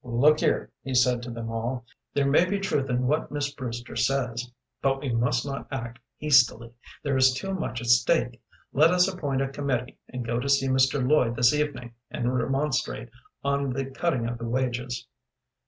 "Look here," he said to them all. "There may be truth in what Miss Brewster says, but we must not act hastily; there is too much at stake. Let us appoint a committee and go to see Mr. Lloyd this evening, and remonstrate on the cutting of the wages."